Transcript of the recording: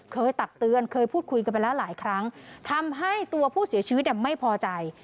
ตักเตือนเคยพูดคุยกันไปแล้วหลายครั้งทำให้ตัวผู้เสียชีวิตไม่พอใจ